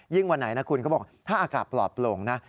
วันไหนนะคุณเขาบอกถ้าอากาศปลอดโปร่งนะ